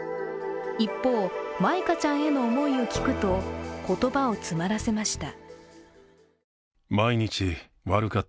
一方、舞香ちゃんへの思いを聞くと言葉を詰まらせました。